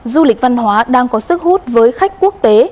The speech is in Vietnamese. du lịch văn hóa đang có sức hút với khách quốc tế